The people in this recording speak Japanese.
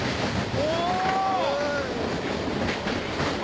お！